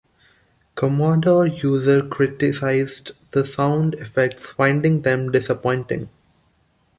"Commodore User" criticised the sound effects, finding them "disappointing".